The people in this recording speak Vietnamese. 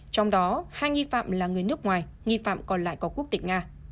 trong đó hai nghi phạm là người nước ngoài nghi phạm còn lại có quốc tịch nga